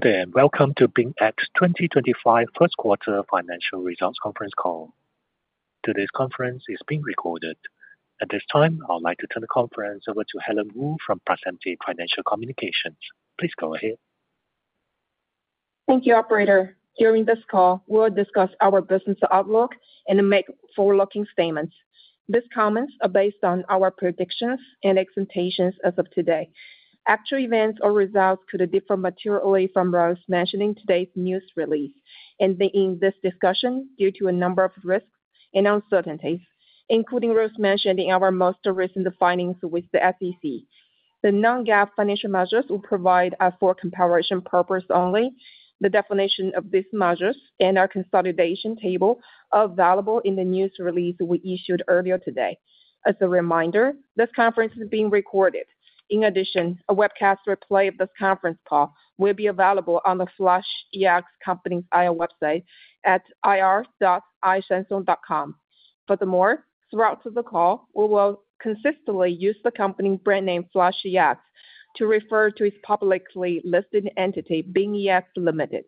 Welcome to BingEx 2025 First Quarter Financial Results Conference Call. Today's conference is being recorded. At this time, I would like to turn the conference over to Helen Wu from Piacente Financial Communications. Please go ahead. Thank you, Operator. During this call, we will discuss our business outlook and make forward-looking statements. These comments are based on our predictions and expectations as of today. Actual events or results could differ materially from those mentioned in today's news release. In this discussion, due to a number of risks and uncertainties, including those mentioned in our most recent filings with the SEC, the non-GAAP financial measures will be provided for comparison purposes only. The definition of these measures and our reconciliation table are available in the news release we issued earlier today. As a reminder, this conference is being recorded. In addition, a webcast replay of this conference call will be available on the FlashEX Company's IR website at irs.isenso.com. Furthermore, throughout the call, we will consistently use the company brand name FlashEX to refer to its publicly listed entity, BingEx Limited.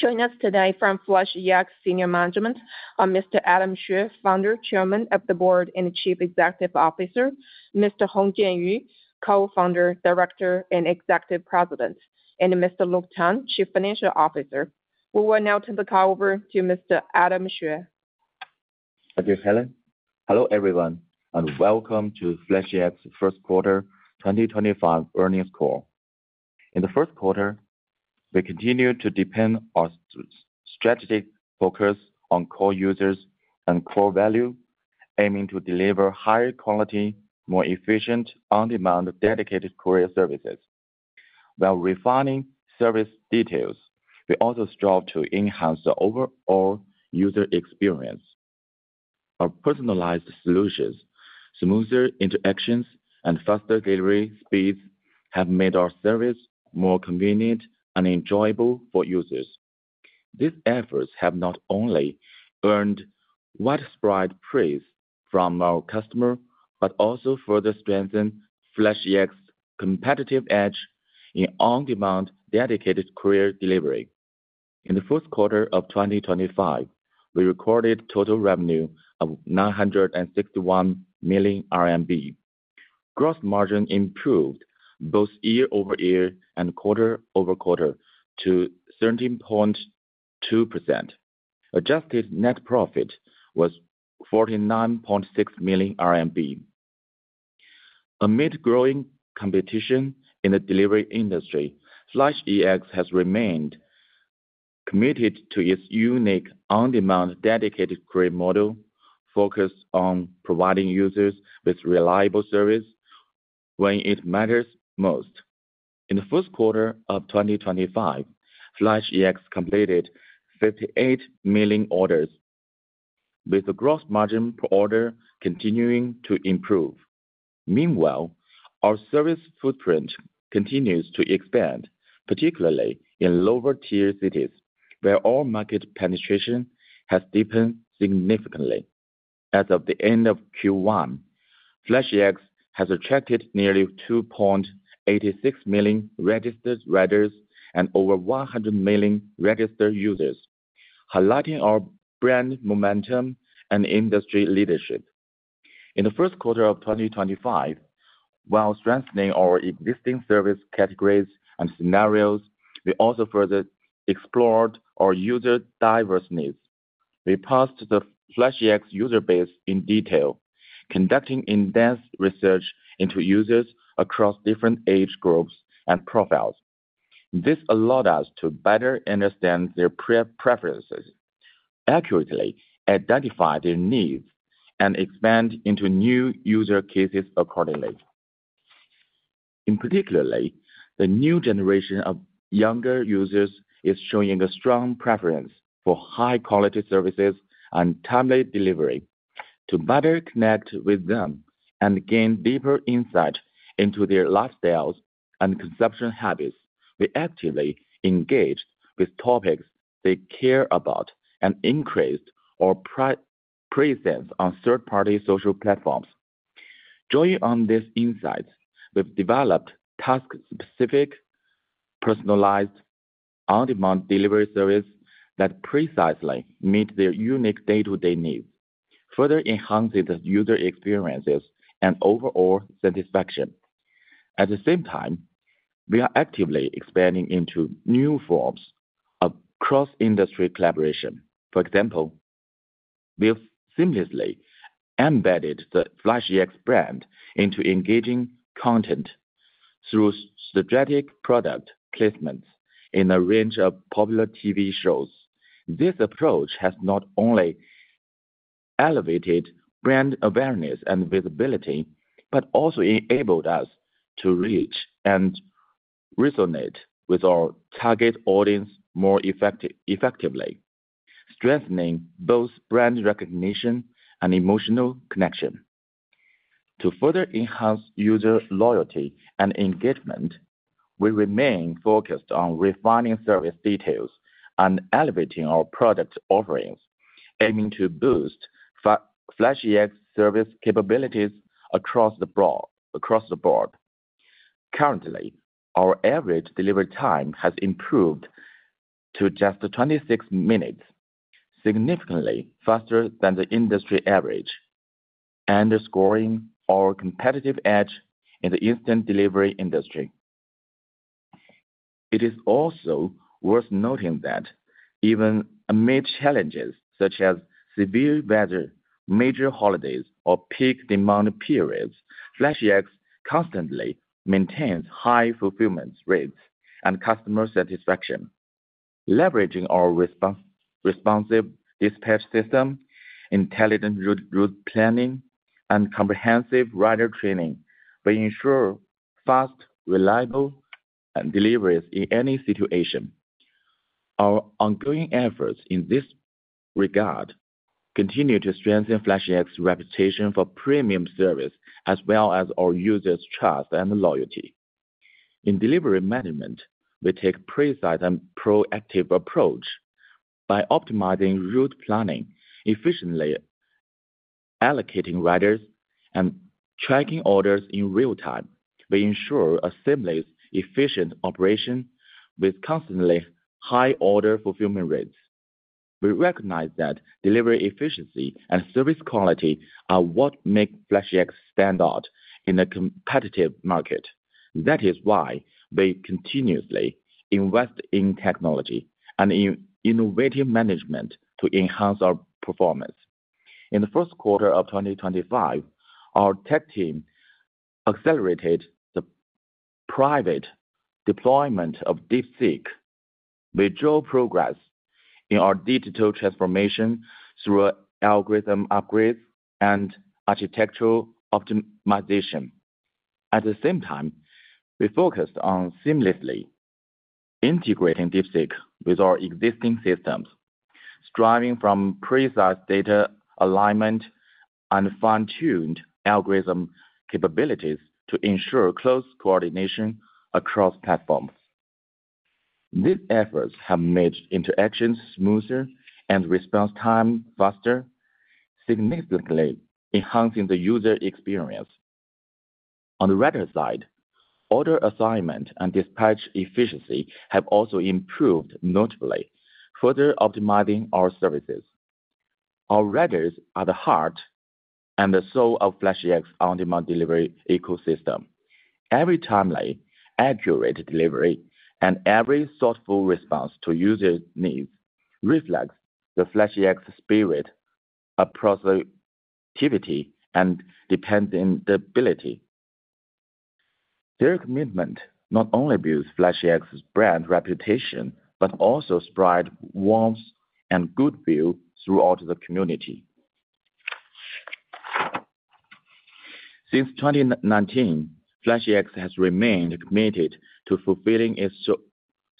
Joining us today from FlashEx Senior Management are Mr. Adam Xue, Founder, Chairman of the Board and Chief Executive Officer, Mr. Hong Jianyu, Co-Founder, Director, and Executive President, and Mr. Luke Tang, Chief Financial Officer. We will now turn the call over to Mr. Adam Xue. Thank you, Helen. Hello everyone, and welcome to BingEx Limited's First Quarter 2025 earnings call. In the first quarter, we continue to deepen our strategic focus on core users and core value, aiming to deliver higher quality, more efficient, on-demand, dedicated courier services. While refining service details, we also strive to enhance the overall user experience. Our personalized solutions, smoother interactions, and faster delivery speeds have made our service more convenient and enjoyable for users. These efforts have not only earned widespread praise from our customers but also further strengthened BingEx Limited's competitive edge in on-demand, dedicated courier delivery. In the first quarter of 2025, we recorded total revenue of 961 million RMB. Gross margin improved both year-over-year and quarter-over-quarter to 13.2%. Adjusted net profit was 49.6 million RMB. Amid growing competition in the delivery industry, BingEx Limited has remained committed to its unique on-demand, dedicated courier model, focused on providing users with reliable service when it matters most. In the first quarter of 2025, BingEx Limited completed 58 million orders, with the gross margin per order continuing to improve. Meanwhile, our service footprint continues to expand, particularly in lower-tier cities, where our market penetration has deepened significantly. As of the end of Q1, BingEx Limited has attracted nearly 2.86 million registered riders and over 100 million registered users, highlighting our brand momentum and industry leadership. In the first quarter of 2025, while strengthening our existing service categories and scenarios, we also further explored our user diverse needs. We parsed the BingEx Limited user base in detail, conducting in-depth research into users across different age groups and profiles. This allowed us to better understand their preferences, accurately identify their needs, and expand into new user cases accordingly. In particular, the new generation of younger users is showing a strong preference for high-quality services and timely delivery. To better connect with them and gain deeper insight into their lifestyles and consumption habits, we actively engaged with topics they care about and increased our presence on third-party social platforms. Drawing on these insights, we've developed task-specific, personalized, on-demand delivery services that precisely meet their unique day-to-day needs, further enhancing the user experiences and overall satisfaction. At the same time, we are actively expanding into new forms of cross-industry collaboration. For example, we've seamlessly embedded the FlashEx brand into engaging content through strategic product placements in a range of popular TV shows. This approach has not only elevated brand awareness and visibility but also enabled us to reach and resonate with our target audience more effectively, strengthening both brand recognition and emotional connection. To further enhance user loyalty and engagement, we remain focused on refining service details and elevating our product offerings, aiming to boost BingEx's service capabilities across the board. Currently, our average delivery time has improved to just 26 minutes, significantly faster than the industry average, underscoring our competitive edge in the instant delivery industry. It is also worth noting that even amid challenges such as severe weather, major holidays, or peak demand periods, BingEx constantly maintains high fulfillment rates and customer satisfaction. Leveraging our responsive dispatch system, intelligent route planning, and comprehensive rider training, we ensure fast, reliable deliveries in any situation. Our ongoing efforts in this regard continue to strengthen FlashEx's reputation for premium service as well as our users' trust and loyalty. In delivery management, we take a precise, proactive approach by optimizing route planning, efficiently allocating riders, and tracking orders in real time. We ensure a seamless, efficient operation with constantly high order fulfillment rates. We recognize that delivery efficiency and service quality are what make FlashEx stand out in a competitive market. That is why we continuously invest in technology and in innovative management to enhance our performance. In the first quarter of 2025, our tech team accelerated the private deployment of DeepSeek. We drove progress in our digital transformation through algorithm upgrades and architectural optimization. At the same time, we focused on seamlessly integrating DeepSeek with our existing systems, striving for precise data alignment and fine-tuned algorithm capabilities to ensure close coordination across platforms. These efforts have made interactions smoother and response times faster, significantly enhancing the user experience. On the rider side, order assignment and dispatch efficiency have also improved notably, further optimizing our services. Our riders are the heart and the soul of BingEx Limited's on-demand delivery ecosystem. Every timely, accurate delivery and every thoughtful response to user needs reflects BingEx Limited's spirit of proactivity and dependability. Their commitment not only builds BingEx Limited's brand reputation but also spreads warmth and goodwill throughout the community. Since 2019, BingEx Limited has remained committed to fulfilling its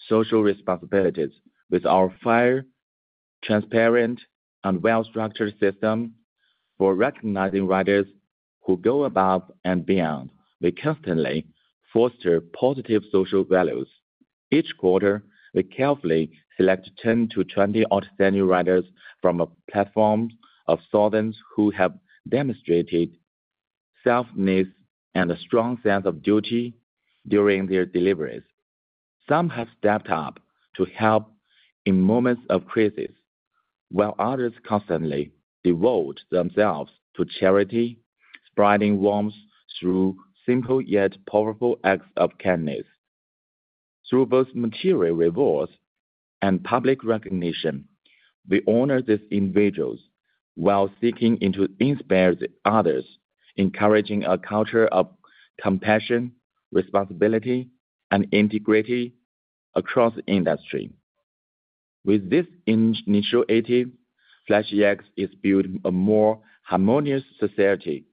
social responsibilities with our fair, transparent, and well-structured system. For recognizing riders who go above and beyond, we constantly foster positive social values. Each quarter, we carefully select 10-20 outstanding riders from a platform of thousands who have demonstrated self-needs and a strong sense of duty during their deliveries. Some have stepped up to help in moments of crisis, while others constantly devote themselves to charity, spreading warmth through simple yet powerful acts of kindness. Through both material rewards and public recognition, we honor these individuals while seeking to inspire others, encouraging a culture of compassion, responsibility, and integrity across the industry. With this initiative, BingEx Limited is building a more harmonious society,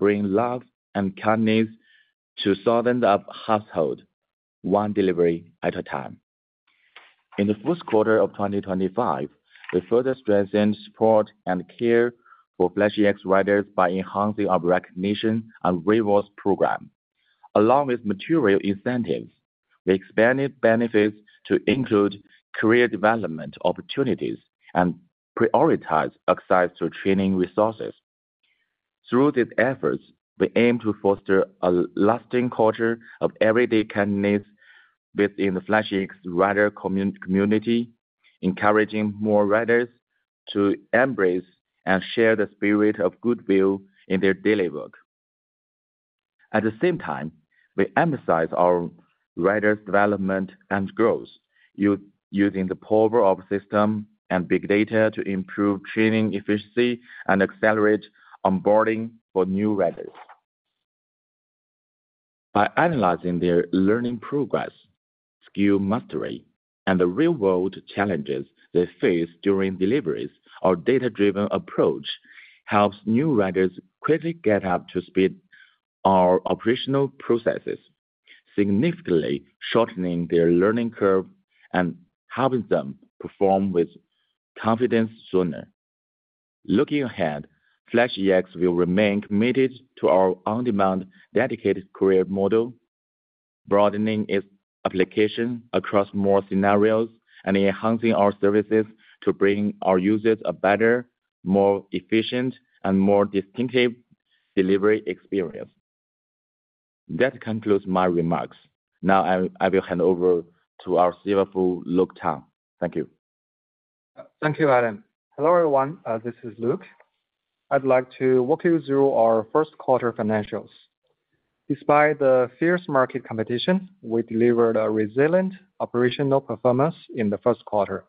bringing love and kindness to thousands of households, one delivery at a time. In the fourth quarter of 2025, we further strengthened support and care for BingEx Limited riders by enhancing our recognition and rewards program. Along with material incentives, we expanded benefits to include career development opportunities and prioritized access to training resources. Through these efforts, we aim to foster a lasting culture of everyday kindness within the FlashEx rider community, encouraging more riders to embrace and share the spirit of goodwill in their daily work. At the same time, we emphasize our riders' development and growth, using the power of systems and big data to improve training efficiency and accelerate onboarding for new riders. By analyzing their learning progress, skill mastery, and the real-world challenges they face during deliveries, our data-driven approach helps new riders quickly get up to speed with our operational processes, significantly shortening their learning curve and helping them perform with confidence sooner. Looking ahead, FlashEx will remain committed to our on-demand, dedicated courier model, broadening its application across more scenarios, and enhancing our services to bring our users a better, more efficient, and more distinctive delivery experience. That concludes my remarks. Now, I will hand over to our CFO, Luke Tang. Thank you. Thank you, Adam. Hello everyone. This is Luke. I'd like to walk you through our first quarter financials. Despite the fierce market competition, we delivered a resilient operational performance in the first quarter,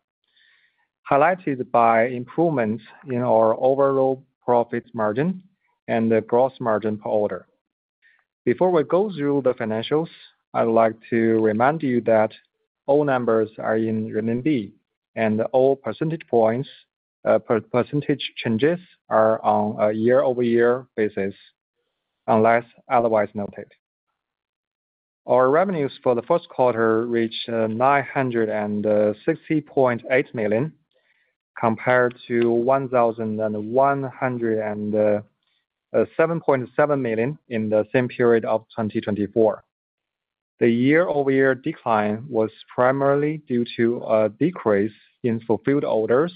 highlighted by improvements in our overall profit margin and the gross margin per order. Before we go through the financials, I'd like to remind you that all numbers are in RMB, and all percentage points or percentage changes are on a year-over-year basis, unless otherwise noted. Our revenues for the first quarter reached 960.8 million compared to 1,107.7 million in the same period of 2024. The year-over-year decline was primarily due to a decrease in fulfilled orders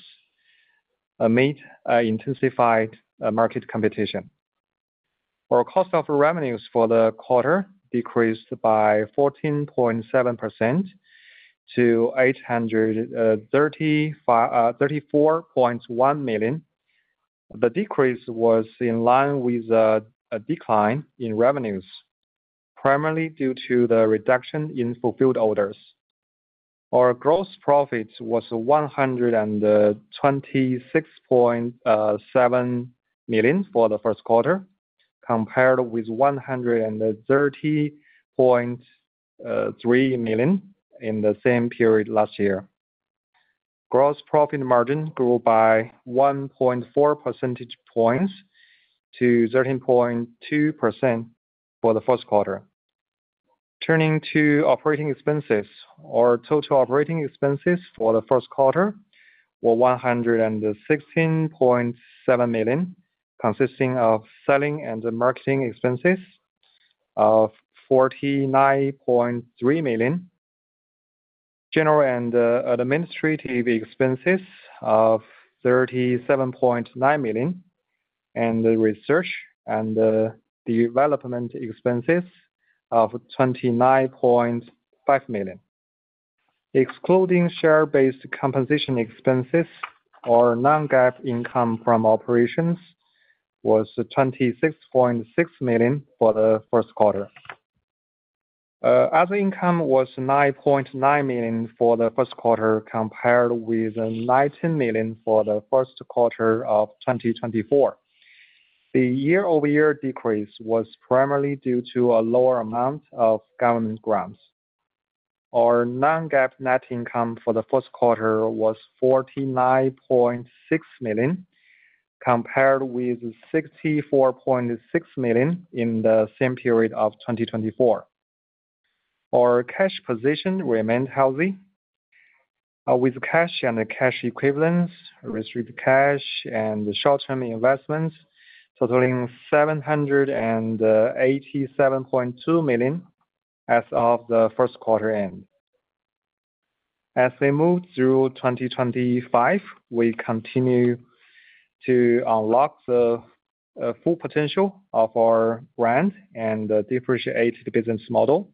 amid intensified market competition. Our cost of revenues for the quarter decreased by 14.7% to 834.1 million. The decrease was in line with a decline in revenues, primarily due to the reduction in fulfilled orders. Our gross profit was 126.7 million for the first quarter, compared with 130.3 million in the same period last year. Gross profit margin grew by 1.4 percentage points to 13.2% for the first quarter. Turning to operating expenses, our total operating expenses for the first quarter were 116.7 million, consisting of selling and marketing expenses of 49.3 million, general and administrative expenses of 37.9 million, and research and development expenses of 29.5 million. Excluding share-based compensation expenses, our non-GAAP income from operations was 26.6 million for the first quarter. Other income was 9.9 million for the first quarter, compared with 19 million for the first quarter of 2024. The year-over-year decrease was primarily due to a lower amount of government grants. Our non-GAAP net income for the first quarter was 49.6 million, compared with 64.6 million in the same period of 2024. Our cash position remained healthy, with cash and cash equivalents, received cash, and short-term investments totaling 787.2 million as of the first quarter end. As we move through 2025, we continue to unlock the full potential of our brand and the differentiated business model,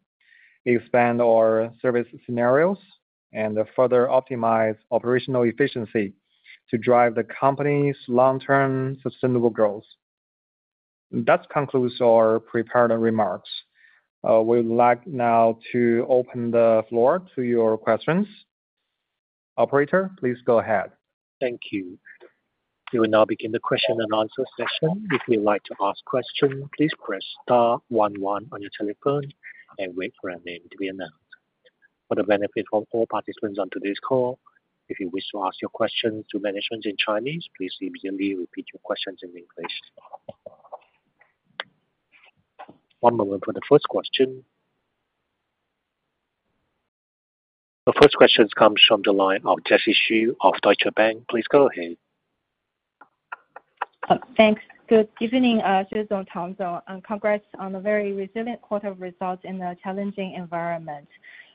expand our service scenarios, and further optimize operational efficiency to drive the company's long-term sustainable growth. That concludes our prepared remarks. We would like now to open the floor to your questions. Operator, please go ahead. Thank you. We will now begin the question and answer session. If you'd like to ask a question, please press star 11 on your telephone and wait for your name to be announced. For the benefit of all participants on today's call, if you wish to ask your questions to management in Chinese, please immediately repeat your questions in English. One moment for the first question. The first question comes from the line of Jesse Xu of Deutsche Bank. Please go ahead. Thanks. Good evening, Xu Zhongtangzong. Congrats on a very resilient quarter result in a challenging environment.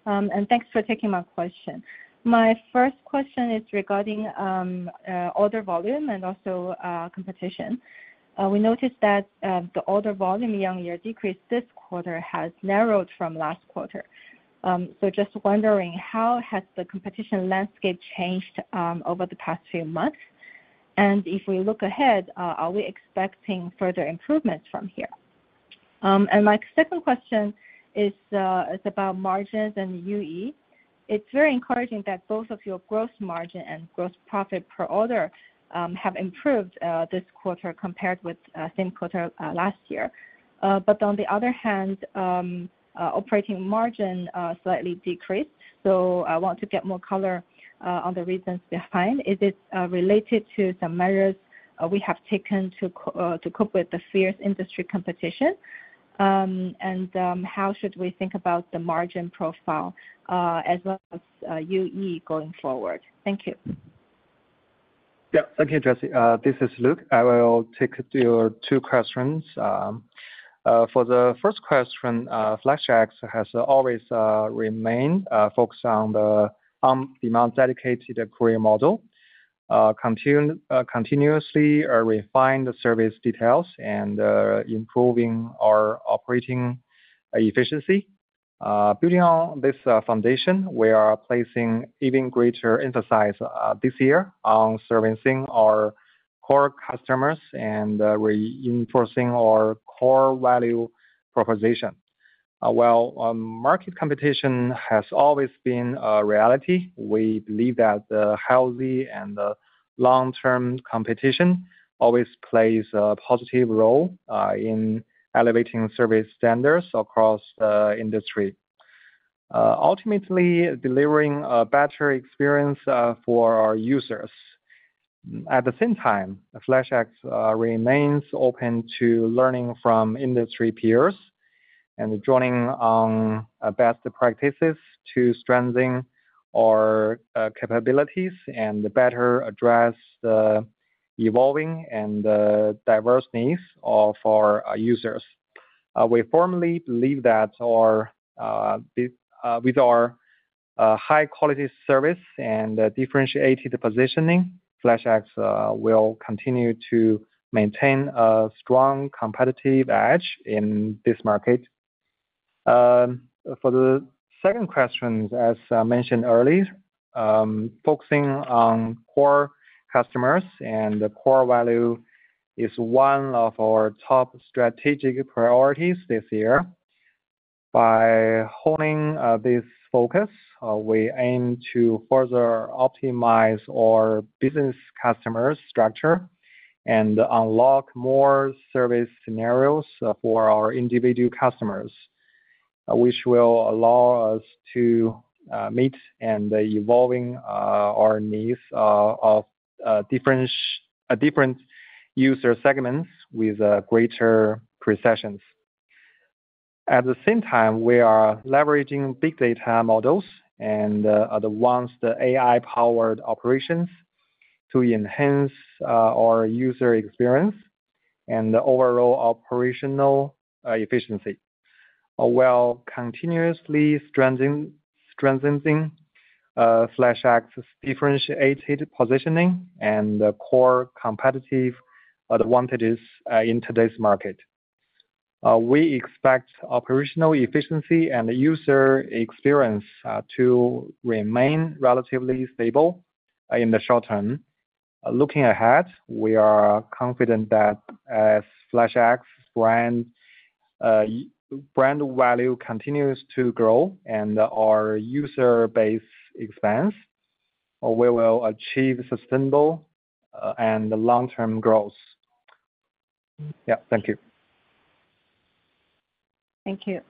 Thanks for taking my question. My first question is regarding order volume and also competition. We noticed that the order volume year-on-year decrease this quarter has narrowed from last quarter. Just wondering, how has the competition landscape changed over the past few months? If we look ahead, are we expecting further improvements from here? My second question is about margins and UE. It's very encouraging that both of your gross margin and gross profit per order have improved this quarter compared with the same quarter last year. On the other hand, operating margin slightly decreased. I want to get more color on the reasons behind. Is this related to some measures we have taken to cope with the fierce industry competition? How should we think about the margin profile as well as UE going forward? Thank you. Yeah. Thank you, Jesse. This is Luke. I will take your two questions. For the first question, BingEx has always remained focused on the on-demand dedicated courier model, continuously refining the service details and improving our operating efficiency. Building on this foundation, we are placing even greater emphasis this year on servicing our core customers and reinforcing our core value proposition. While market competition has always been a reality, we believe that healthy and long-term competition always plays a positive role in elevating service standards across the industry, ultimately delivering a better experience for our users. At the same time, BingEx remains open to learning from industry peers and drawing on best practices to strengthen our capabilities and better address the evolving and diverse needs of our users. We firmly believe that with our high-quality service and differentiated positioning, BingEx Limited will continue to maintain a strong competitive edge in this market. For the second question, as mentioned earlier, focusing on core customers and core value is one of our top strategic priorities this year. By honing this focus, we aim to further optimize our business customer structure and unlock more service scenarios for our individual customers, which will allow us to meet and evolve our needs of different user segments with greater precision. At the same time, we are leveraging big data models and, at once, the AI-powered operations to enhance our user experience and overall operational efficiency, while continuously strengthening BingEx Limited's differentiated positioning and core competitive advantages in today's market. We expect operational efficiency and user experience to remain relatively stable in the short term. Looking ahead, we are confident that as BingEx's brand value continues to grow and our user base expands, we will achieve sustainable and long-term growth. Yeah. Thank you. Thank you.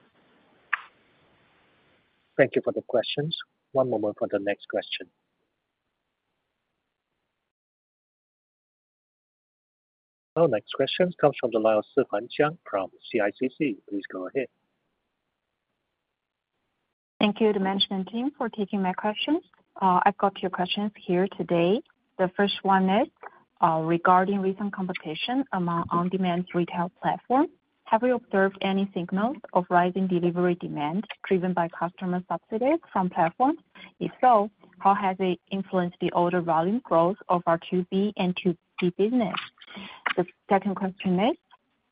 Thank you for the questions. One moment for the next question. Our next question comes from the line of Sifan Jiang from CICC. Please go ahead. Thank you to the management team for taking my questions. I've got your questions here today. The first one is regarding recent competition among on-demand retail platforms. Have you observed any signals of rising delivery demand driven by customer subsidies from platforms? If so, how has it influenced the order volume growth of our 2B and 2C business? The second question is,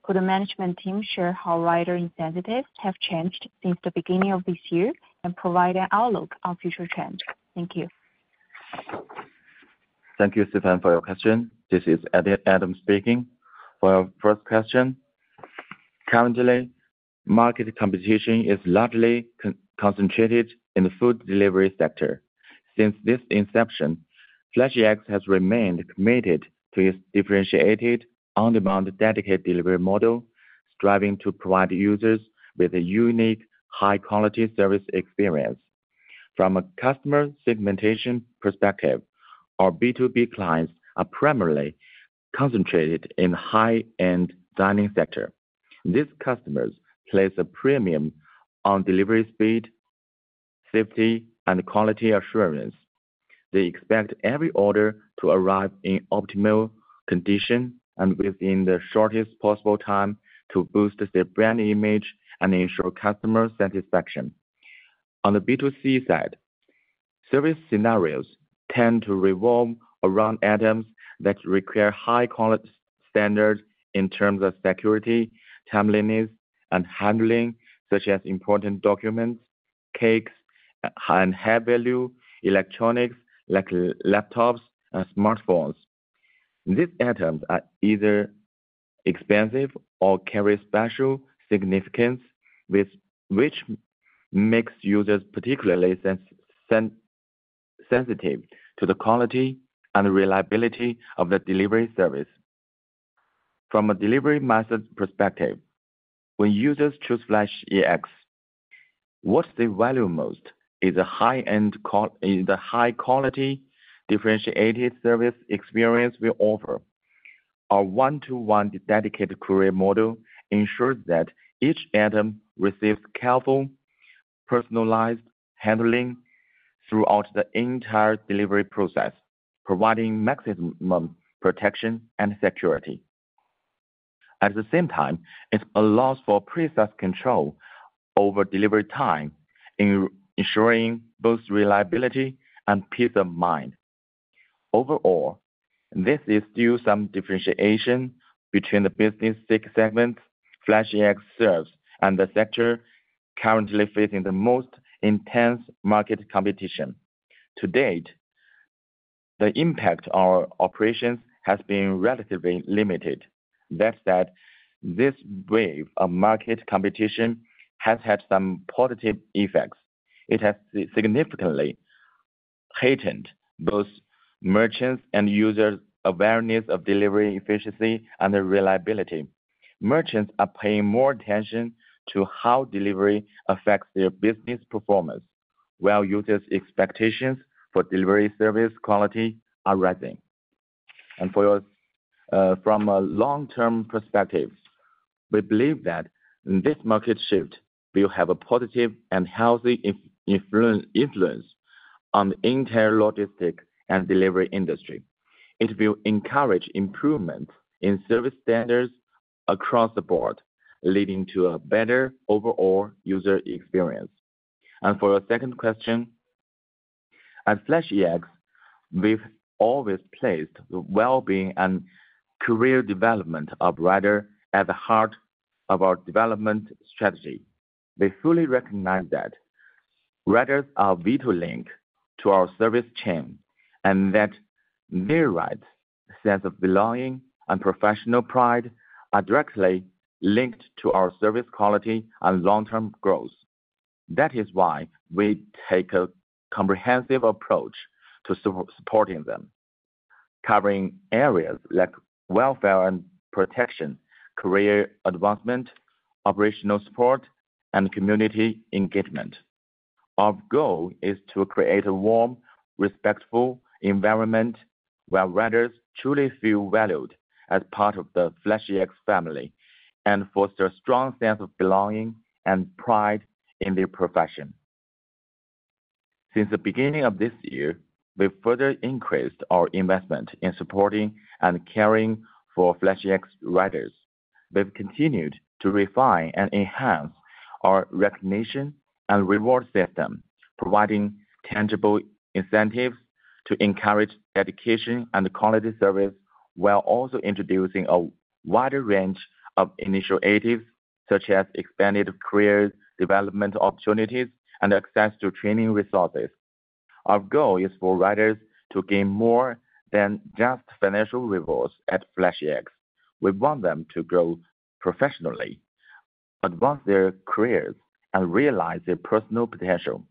could the management team share how rider incentives have changed since the beginning of this year and provide an outlook on future trends? Thank you. Thank you, Sifan, for your question. This is Adam speaking. For our first question, currently, market competition is largely concentrated in the food delivery sector. Since its inception, BingEx has remained committed to its differentiated on-demand dedicated delivery model, striving to provide users with a unique high-quality service experience. From a customer segmentation perspective, our B2B clients are primarily concentrated in the high-end dining sector. These customers place a premium on delivery speed, safety, and quality assurance. They expect every order to arrive in optimal condition and within the shortest possible time to boost their brand image and ensure customer satisfaction. On the B2C side, service scenarios tend to revolve around items that require high-quality standards in terms of security, timeliness, and handling, such as important documents, cakes, and high-value electronics like laptops and smartphones. These items are either expensive or carry special significance, which makes users particularly sensitive to the quality and reliability of the delivery service. From a delivery method perspective, when users choose BingEx, what they value most is the high-quality differentiated service experience we offer. Our one-to-one dedicated courier model ensures that each item receives careful, personalized handling throughout the entire delivery process, providing maximum protection and security. At the same time, it allows for precise control over delivery time, ensuring both reliability and peace of mind. Overall, there is still some differentiation between the business segment BingEx serves and the sector currently facing the most intense market competition. To date, the impact on our operations has been relatively limited. That said, this wave of market competition has had some positive effects. It has significantly heightened both merchants' and users' awareness of delivery efficiency and reliability. Merchants are paying more attention to how delivery affects their business performance, while users' expectations for delivery service quality are rising. From a long-term perspective, we believe that this market shift will have a positive and healthy influence on the entire logistics and delivery industry. It will encourage improvement in service standards across the board, leading to a better overall user experience. For your second question, at BingEx, we've always placed the well-being and career development of riders at the heart of our development strategy. We fully recognize that riders are a vital link to our service chain and that their right sense of belonging and professional pride are directly linked to our service quality and long-term growth. That is why we take a comprehensive approach to supporting them, covering areas like welfare and protection, career advancement, operational support, and community engagement. Our goal is to create a warm, respectful environment where riders truly feel valued as part of the FlashEx family and foster a strong sense of belonging and pride in their profession. Since the beginning of this year, we've further increased our investment in supporting and caring for FlashEx riders. We've continued to refine and enhance our recognition and reward system, providing tangible incentives to encourage dedication and quality service while also introducing a wider range of initiatives such as expanded career development opportunities and access to training resources. Our goal is for riders to gain more than just financial rewards at FlashEx. We want them to grow professionally, advance their careers, and realize their personal potential.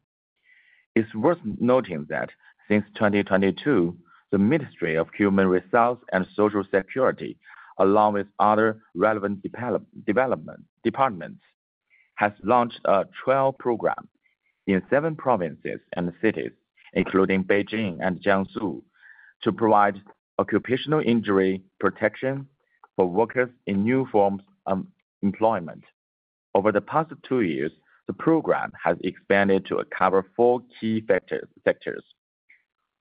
It's worth noting that since 2022, the Ministry of Human Resources and Social Security, along with other relevant departments, has launched a 12 program in seven provinces and cities, including Beijing and Jiangsu, to provide occupational injury protection for workers in new forms of employment. Over the past two years, the program has expanded to cover four key sectors: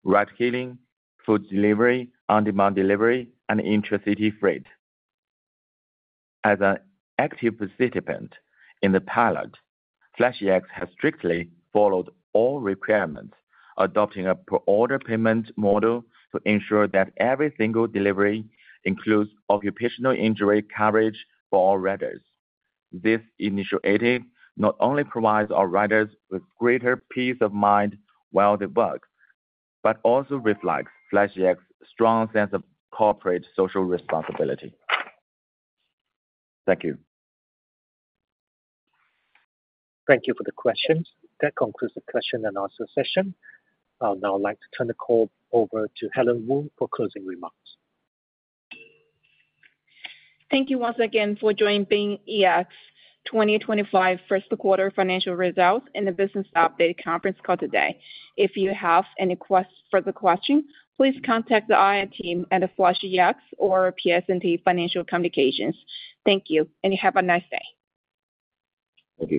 ride-hailing, food delivery, on-demand delivery, and intercity freight. As an active participant in the pilot, BingEx Limited has strictly followed all requirements, adopting a per-order payment model to ensure that every single delivery includes occupational injury coverage for all riders. This initiative not only provides our riders with greater peace of mind while they work, but also reflects BingEx Limited's strong sense of corporate social responsibility. Thank you. Thank you for the questions. That concludes the question and answer session. I'd now like to turn the call over to Helen Wu for closing remarks. Thank you once again for joining BingEx 2025 first quarter financial results and the business update conference call today. If you have any further questions, please contact the IT team at FlashEx or Piacente Financial Communications. Thank you, and you have a nice day. Thank you.